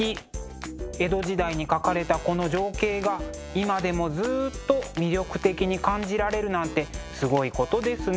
江戸時代に描かれたこの情景が今でもずっと魅力的に感じられるなんてすごいことですね。